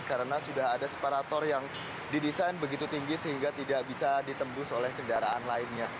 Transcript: karena sudah ada separator yang didesain begitu tinggi sehingga tidak bisa ditembus oleh kendaraan lainnya